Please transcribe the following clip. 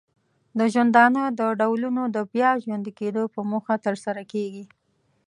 د ژوندانه د ډولونو د بیا ژوندې کیدو په موخه ترسره کیږي.